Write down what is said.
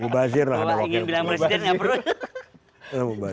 bu bazir lah yang nge login